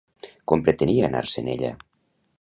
Com pretenia anar-se'n ella?